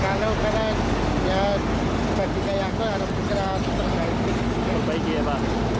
kalau kalian ya seperti kayaknya